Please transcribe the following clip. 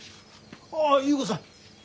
ああっ優子さん。